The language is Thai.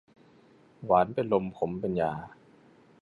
หวานเป็นลมขมเป็นยา